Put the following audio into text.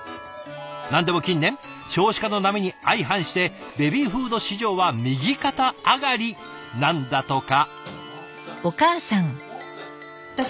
なんでも近年少子化の波に相反してベビーフード市場は右肩上がりなんだとか。